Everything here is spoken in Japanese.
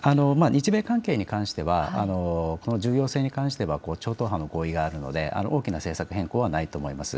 日米関係に関しては、重要性に関しては超党派の合意があるので大きな政策変更はないと思います。